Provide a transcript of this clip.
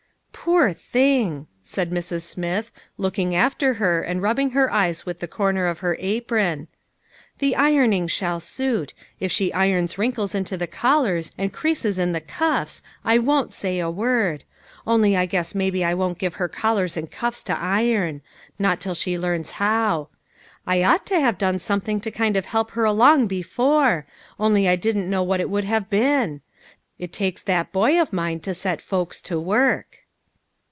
"Poor thing !" said Mrs! Smith, looking after her, and rubbing her eyes with the corner of her apron. " The ironing shall suit ; if she irons wrinkles into the collars and creases in the cuffs, I won't say a word ; only I guess maybe I won't give her collars and cuffs to iron ; not till she learns how. I ought to have done something to kind of help her along before ; only I don't know what it would have been. It takes that boy of mine to set folks to work."